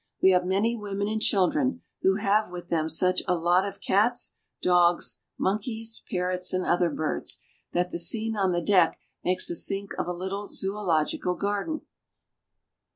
We have many women and children, who have with them such 334 VENEZUELA. a lot of cats, dogs, monkeys, parrots, and other birds, that the scene on the deck makes us think of a Httle zoological garden.